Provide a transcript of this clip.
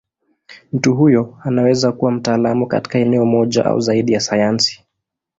Mtu huyo anaweza kuwa mtaalamu katika eneo moja au zaidi ya sayansi.